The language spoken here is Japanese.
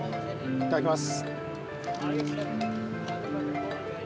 いただきます。